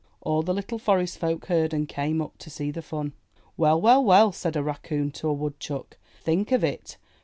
All the little Forest Folk heard and came up to see the fun. ''Well, well, well,'* said a Raccoon to a Woodchuck. 'Think of it!